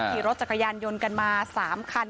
ขี่รถจักรยานยนต์กันมา๓คัน